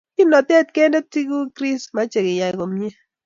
Kimnatet kendei tinguk Chris mache iyay komnye.